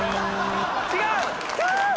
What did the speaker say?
違う！